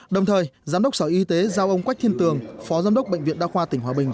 đồng thời giám đốc sở y tế giao ông quách thiên tường phó giám đốc bệnh viện đa khoa tỉnh hòa bình